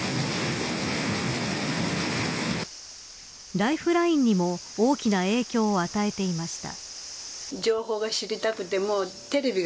ライフラインにも大きな影響を与えていました。